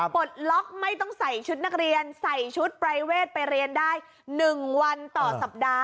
ปลดล็อกไม่ต้องใส่ชุดนักเรียนใส่ชุดปรายเวทไปเรียนได้๑วันต่อสัปดาห์